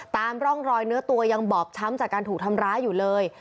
ตามร่องรอยเนื้อตัวยังบอบช้ำจากการถูกทำร้ายอยู่เลย